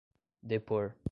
depor